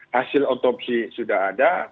hasil otopsi sudah ada